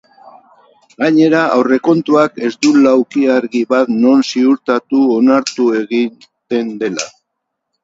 Gainera, aurrekontuak ez du lauki argi bat non ziurtatu onartu egiten dela.